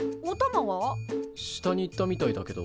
下に行ったみたいだけど。